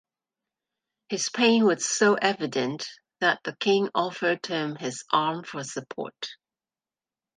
His pain was so evident that the king offered him his arm for support.